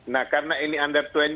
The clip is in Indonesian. nah karena ini under dua puluh